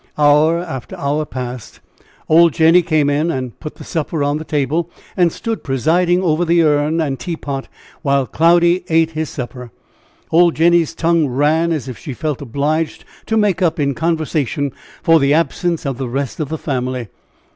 Hour after hour passed. Old Jenny came in and put the supper on the table, and stood presiding over the urn and tea pot while Cloudy ate his supper. Old Jenny's tongue ran as if she felt obliged to make up in conversation for the absence of the rest of the family.